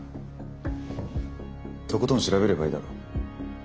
とことん調べればいいだろ。